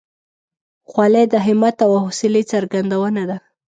خولۍ د همت او حوصلې څرګندونه ده.